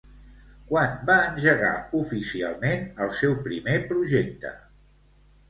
Quan va engegar, oficialment, el seu primer projecte?